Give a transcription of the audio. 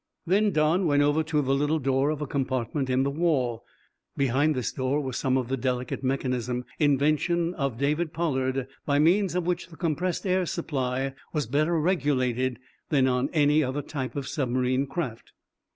Then Don went over to the little door of a compartment in the wall. Behind this door was some of the delicate mechanism invention of David Pollard by means of which the compressed air supply was better regulated than on any other type of submarine craft.